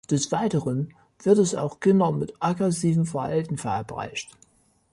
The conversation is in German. Des Weiteren wird es auch Kindern mit aggressivem Verhalten verabreicht.